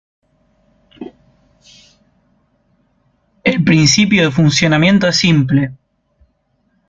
El principio de funcionamiento es simple.